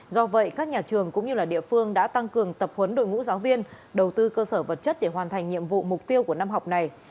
do vậy các nhà trường cũng như địa phương đã tăng cường tập huấn đội ngũ giáo viên đầu tư cơ sở vật chất để hoàn thành nhiệm vụ mục tiêu của năm học này